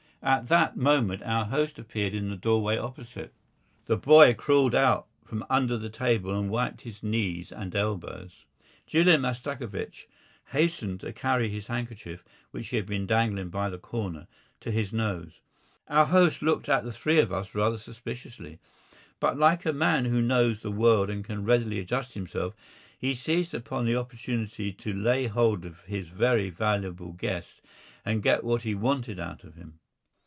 At that moment our host appeared in the doorway opposite. The boy crawled out from under the table and wiped his knees and elbows. Julian Mastakovich hastened to carry his handkerchief, which he had been dangling by the corner, to his nose. Our host looked at the three of us rather suspiciously. But, like a man who knows the world and can readily adjust himself, he seized upon the opportunity to lay hold of his very valuable guest and get what he wanted out of him.